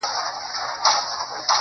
زما د اوښکي ـ اوښکي ژوند سره اشنا ملگري~